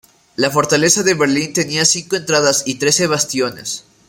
La Fortaleza de Berlín tenía cinco entradas y trece bastiones.